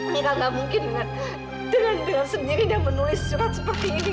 mila gak mungkin dengan dengan dengan sendiri dia menulis surat seperti ini